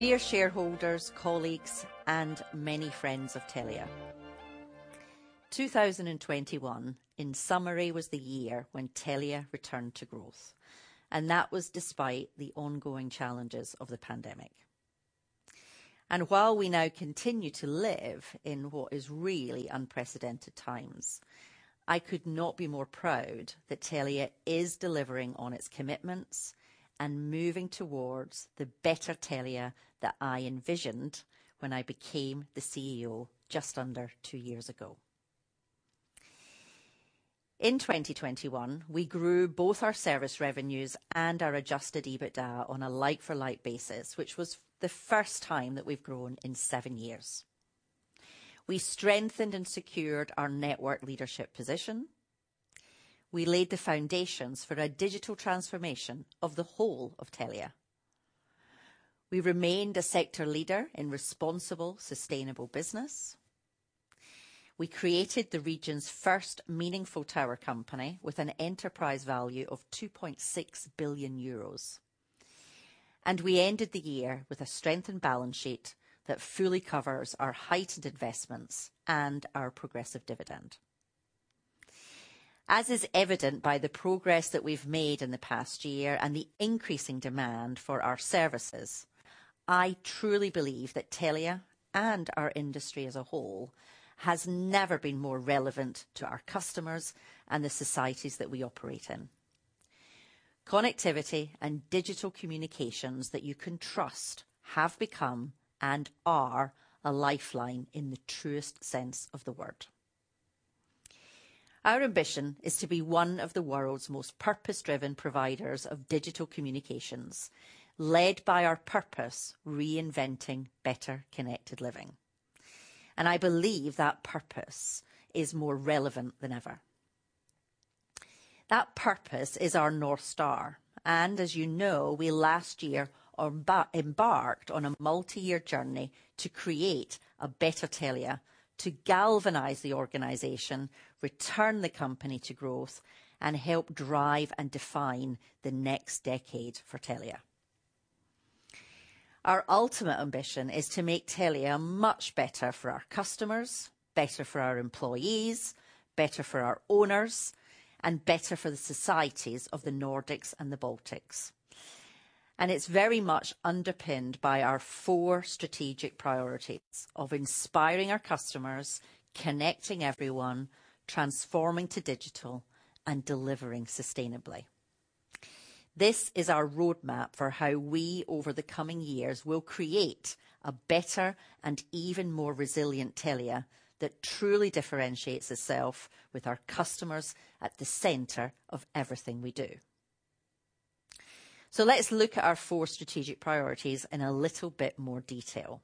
Dear shareholders, colleagues, and many friends of Telia. 2021, in summary, was the year when Telia returned to growth, and that was despite the ongoing challenges of the pandemic. While we now continue to live in what is really unprecedented times, I could not be more proud that Telia is delivering on its commitments and moving towards the better Telia that I envisioned when I became the CEO just under two years ago. In 2021, we grew both our service revenues and our adjusted EBITDA on a like-for-like basis, which was the first time that we've grown in seven years. We strengthened and secured our network leadership position. We laid the foundations for a digital transformation of the whole of Telia. We remained a sector leader in responsible, sustainable business. We created the region's first meaningful tower company with an enterprise value of 2.6 billion euros, and we ended the year with a strengthened balance sheet that fully covers our heightened investments and our progressive dividend. As is evident by the progress that we've made in the past year and the increasing demand for our services, I truly believe that Telia and our industry as a whole has never been more relevant to our customers and the societies that we operate in. Connectivity and digital communications that you can trust have become and are a lifeline in the truest sense of the word. Our ambition is to be one of the world's most purpose-driven providers of digital communications, led by our purpose, reinventing better connected living, and I believe that purpose is more relevant than ever. That purpose is our North Star, and as you know, we last year embarked on a multi-year journey to create a better Telia to galvanize the organization, return the company to growth, and help drive and define the next decade for Telia. Our ultimate ambition is to make Telia much better for our customers, better for our employees, better for our owners, and better for the societies of the Nordics and the Baltics. It's very much underpinned by our four strategic priorities of inspiring our customers, connecting everyone, transforming to digital, and delivering sustainably. This is our roadmap for how we, over the coming years, will create a better and even more resilient Telia that truly differentiates itself with our customers at the center of everything we do. Let's look at our four strategic priorities in a little bit more detail.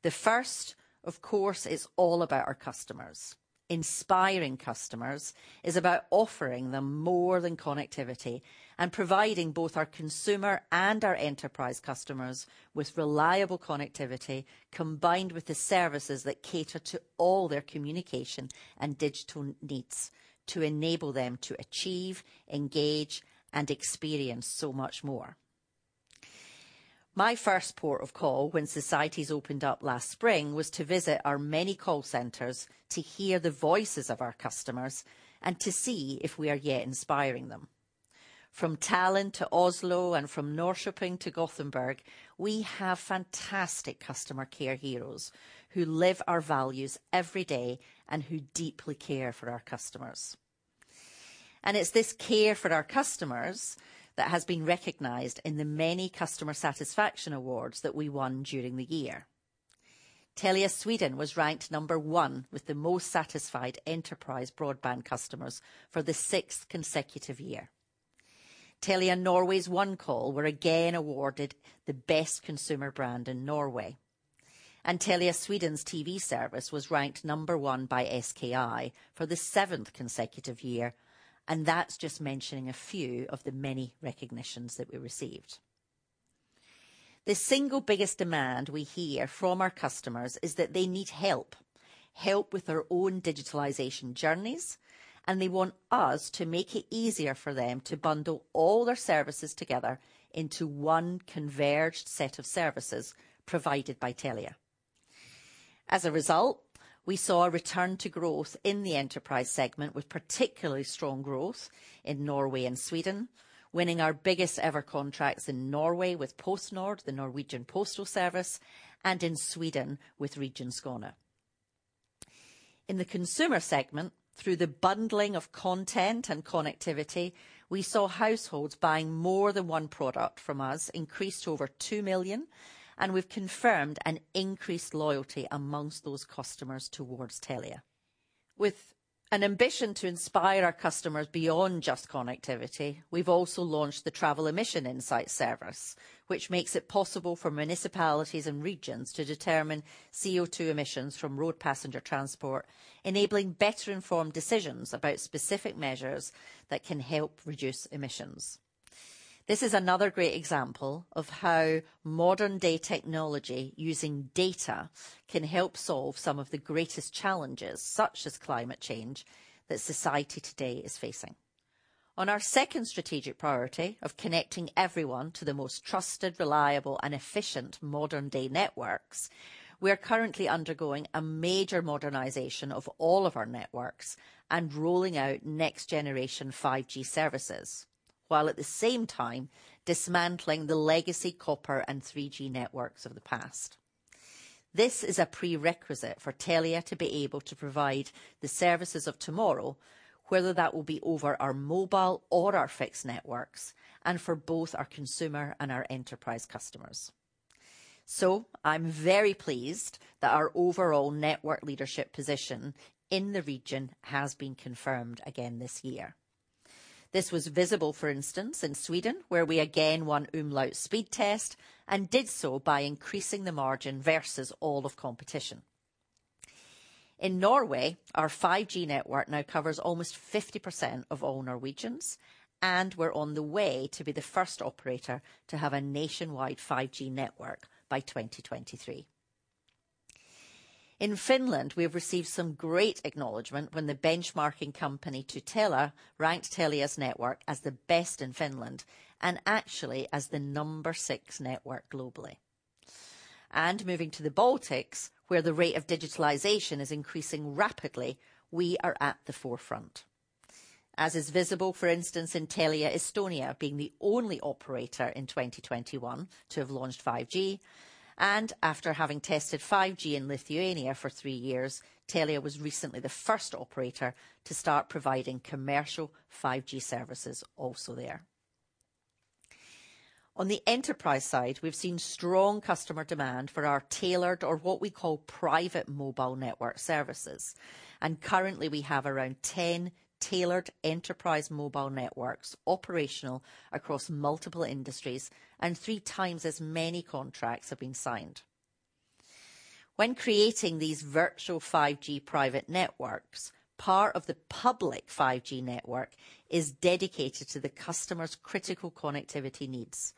The first, of course, is all about our customers. Inspiring customers is about offering them more than connectivity and providing both our consumer and our enterprise customers with reliable connectivity, combined with the services that cater to all their communication and digital needs to enable them to achieve, engage, and experience so much more. My first port of call when societies opened up last spring was to visit our many call centers to hear the voices of our customers and to see if we are yet inspiring them. From Tallinn to Oslo and from Norrköping to Gothenburg, we have fantastic customer care heroes who live our values every day and who deeply care for our customers. It's this care for our customers that has been recognized in the many customer satisfaction awards that we won during the year. Telia Sweden was ranked number one with the most satisfied enterprise broadband customers for the sixth consecutive year. Telia Norway's OneCall were again awarded the best consumer brand in Norway, and Telia Sweden's TV service was ranked number one by SKI for the seventh consecutive year, and that's just mentioning a few of the many recognitions that we received. The single biggest demand we hear from our customers is that they need help. Help with their own digitalization journeys, and they want us to make it easier for them to bundle all their services together into one converged set of services provided by Telia. As a result, we saw a return to growth in the enterprise segment, with particularly strong growth in Norway and Sweden, winning our biggest ever contracts in Norway with PostNord, the Norwegian postal service, and in Sweden with Region Skåne. In the consumer segment, through the bundling of content and connectivity, we saw households buying more than one product from us increase to over 2 million, and we've confirmed an increased loyalty among those customers towards Telia. With an ambition to inspire our customers beyond just connectivity, we've also launched the Travel Emission Insights service, which makes it possible for municipalities and regions to determine CO2 emissions from road passenger transport, enabling better informed decisions about specific measures that can help reduce emissions. This is another great example of how modern day technology using data can help solve some of the greatest challenges, such as climate change, that society today is facing. On our second strategic priority of connecting everyone to the most trusted, reliable, and efficient modern-day networks, we are currently undergoing a major modernization of all of our networks and rolling out next generation 5G services, while at the same time dismantling the legacy copper and 3G networks of the past. This is a prerequisite for Telia to be able to provide the services of tomorrow, whether that will be over our mobile or our fixed networks, and for both our consumer and our enterprise customers. I'm very pleased that our overall network leadership position in the region has been confirmed again this year. This was visible, for instance, in Sweden, where we again won Umlaut Speed Test and did so by increasing the margin versus all of competition. In Norway, our 5G network now covers almost 50% of all Norwegians, and we're on the way to be the first operator to have a nationwide 5G network by 2023. In Finland, we have received some great acknowledgment when the benchmarking company Tutela ranked Telia's network as the best in Finland and actually as the number six network globally. Moving to the Baltics, where the rate of digitalization is increasing rapidly, we are at the forefront, as is visible, for instance, in Telia Estonia being the only operator in 2021 to have launched 5G. After having tested 5G in Lithuania for three years, Telia was recently the first operator to start providing commercial 5G services also there. On the enterprise side, we've seen strong customer demand for our tailored or what we call private mobile network services. Currently, we have around 10 tailored enterprise mobile networks operational across multiple industries, and 3x as many contracts have been signed. When creating these virtual 5G private networks, part of the public 5G network is dedicated to the customer's critical connectivity needs,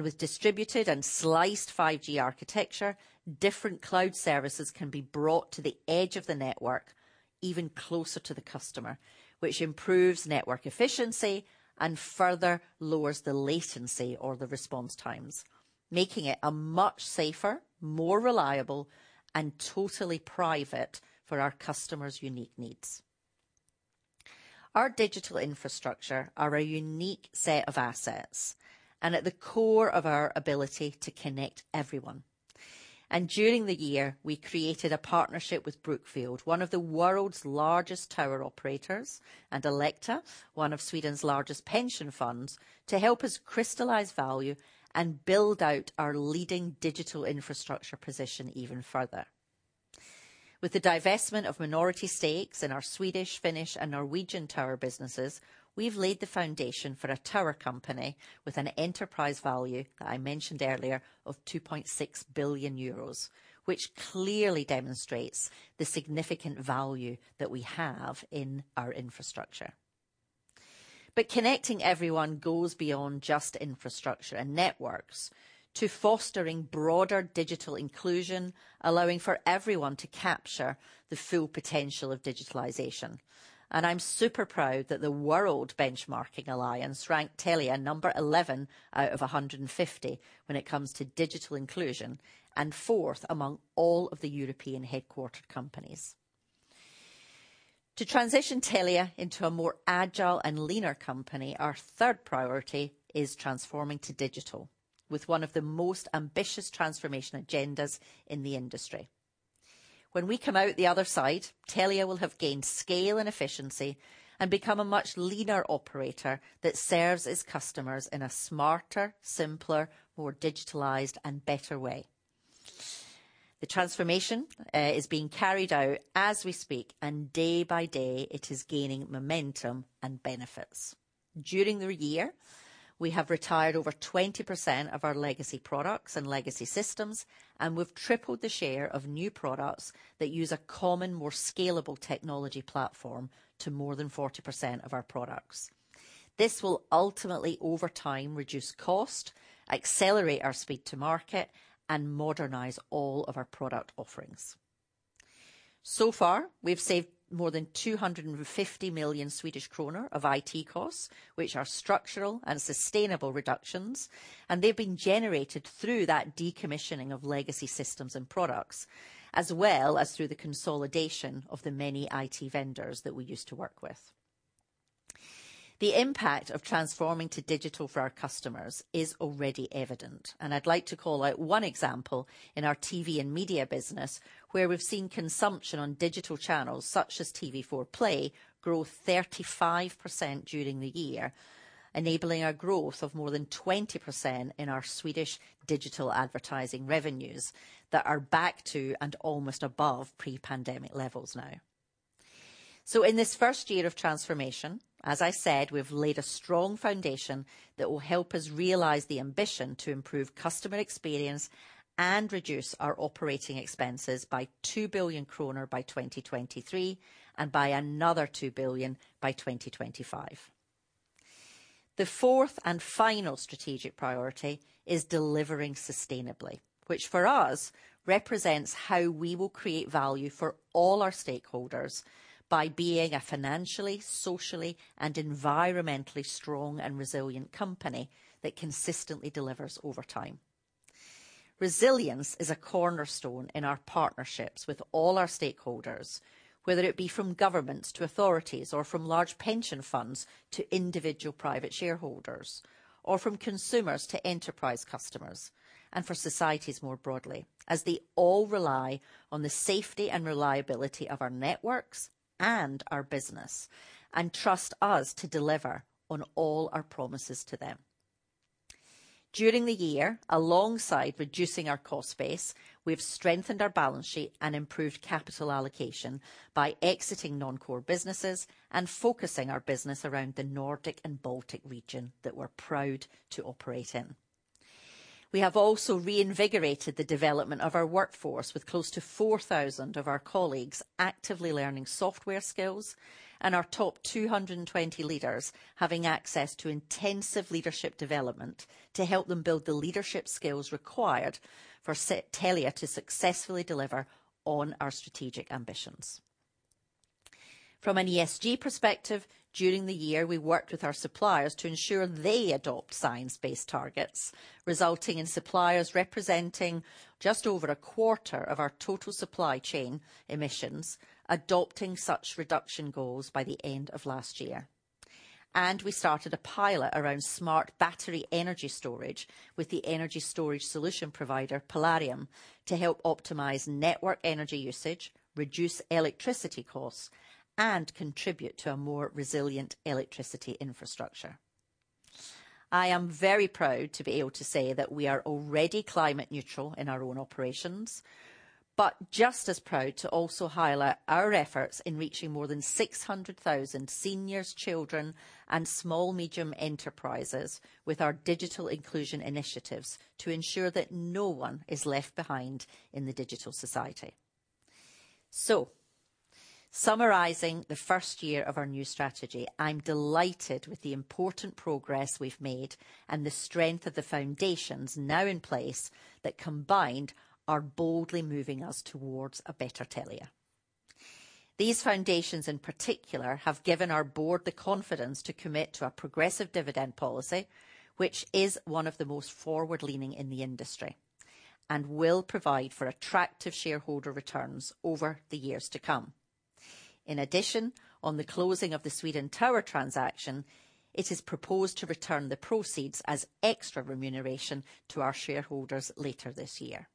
with distributed and sliced 5G architecture, different cloud services can be brought to the edge of the network even closer to the customer, which improves network efficiency and further lowers the latency or the response times, making it a much safer, more reliable, and totally private for our customers' unique needs. Our digital infrastructure are a unique set of assets and at the core of our ability to connect everyone. And during the year, we created a partnership with Brookfield, one of the world's largest tower operators, and Alecta, one of Sweden's largest pension funds, to help us crystallize value and build out our leading digital infrastructure position even further. With the divestment of minority stakes in our Swedish, Finnish, and Norwegian tower businesses, we've laid the foundation for a tower company with an enterprise value that I mentioned earlier of 2.6 billion euros, which clearly demonstrates the significant value that we have in our infrastructure. Connecting everyone goes beyond just infrastructure and networks to fostering broader digital inclusion, allowing for everyone to capture the full potential of digitalization. And I'm super proud that the World Benchmarking Alliance ranked Telia number 11 out of 150 when it comes to digital inclusion, and fourth among all of the European headquartered companies. To transition Telia into a more agile and leaner company, our third priority is transforming to digital with one of the most ambitious transformation agendas in the industry. When we come out the other side, Telia will have gained scale and efficiency and become a much leaner operator that serves its customers in a smarter, simpler, more digitalized and better way. The transformation is being carried out as we speak, and day by day it is gaining momentum and benefits. During the year, we have retired over 20% of our legacy products and legacy systems, and we've tripled the share of new products that use a common, more scalable technology platform to more than 40% of our products. This will ultimately, over time, reduce cost, accelerate our speed to market, and modernize all of our product offerings. So far, we've saved more than 250 million Swedish kronor of IT costs, which are structural and sustainable reductions, and they've been generated through that decommissioning of legacy systems and products, as well as through the consolidation of the many IT vendors that we used to work with. The impact of transforming to digital for our customers is already evident, and I'd like to call out one example in our TV and media business, where we've seen consumption on digital channels such as TV4 Play grow 35% during the year, enabling a growth of more than 20% in our Swedish digital advertising revenues that are back to and almost above pre-pandemic levels now. In this first year of transformation, as I said, we've laid a strong foundation that will help us realize the ambition to improve customer experience and reduce our operating expenses by 2 billion kronor by 2023 and by another 2 billion by 2025. The fourth and final strategic priority is delivering sustainably, which for us represents how we will create value for all our stakeholders by being a financially, socially, and environmentally strong and resilient company that consistently delivers over time. Resilience is a cornerstone in our partnerships with all our stakeholders, whether it be from governments to authorities or from large pension funds to individual private shareholders, or from consumers to enterprise customers, and for societies more broadly as they all rely on the safety and reliability of our networks and our business and trust us to deliver on all our promises to them. During the year, alongside reducing our cost base, we've strengthened our balance sheet and improved capital allocation by exiting non-core businesses and focusing our business around the Nordic and Baltic region that we're proud to operate in. We have also reinvigorated the development of our workforce with close to 4,000 of our colleagues actively learning software skills and our top 220 leaders having access to intensive leadership development to help them build the leadership skills required for Telia to successfully deliver on our strategic ambitions. From an ESG perspective, during the year, we worked with our suppliers to ensure they adopt science-based targets, resulting in suppliers representing just over a quarter of our total supply chain emissions, adopting such reduction goals by the end of last year. We started a pilot around smart battery energy storage with the energy storage solution provider, Polarium, to help optimize network energy usage, reduce electricity costs, and contribute to a more resilient electricity infrastructure. I am very proud to be able to say that we are already climate neutral in our own operations, but just as proud to also highlight our efforts in reaching more than 600,000 seniors, children, and small medium enterprises with our digital inclusion initiatives to ensure that no one is left behind in the digital society. Summarizing the first year of our new strategy, I'm delighted with the important progress we've made and the strength of the foundations now in place that combined are boldly moving us towards a better Telia. These foundations, in particular, have given our board the confidence to commit to a progressive dividend policy, which is one of the most forward-leaning in the industry and will provide for attractive shareholder returns over the years to come. In addition, on the closing of the Swedish tower transaction, it is proposed to return the proceeds as extra remuneration to our shareholders later this year.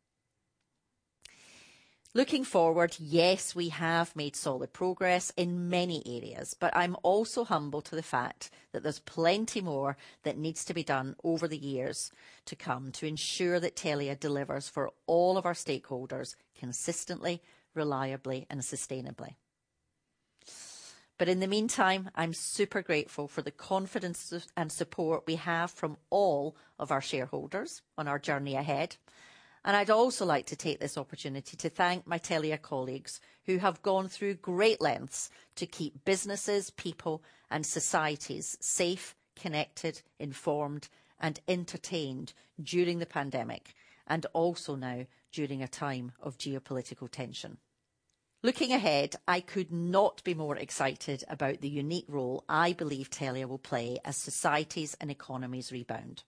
Looking forward, yes, we have made solid progress in many areas, but I'm also humble to the fact that there's plenty more that needs to be done over the years to come to ensure that Telia delivers for all of our stakeholders consistently, reliably, and sustainably. But in the meantime, I'm super grateful for the confidence and support we have from all of our shareholders on our journey ahead. I'd also like to take this opportunity to thank my Telia colleagues who have gone through great lengths to keep businesses, people, and societies safe, connected, informed, and entertained during the pandemic, and also now during a time of geopolitical tension. Looking ahead, I could not be more excited about the unique role I believe Telia will play as societies and economies rebound.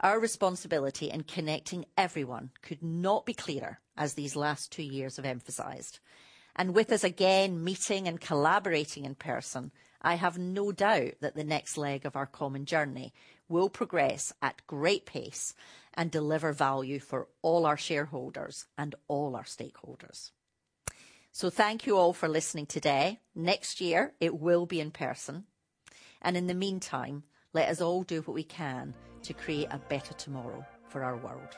Our responsibility in connecting everyone could not be clearer as these last two years have emphasized. With us again, meeting and collaborating in person, I have no doubt that the next leg of our common journey will progress at great pace and deliver value for all our shareholders and all our stakeholders. Thank you all for listening today. Next year, it will be in person. In the meantime, let us all do what we can to create a better tomorrow for our world.